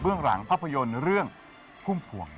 เรื่องหลังภาพยนตร์เรื่องพุ่มพวง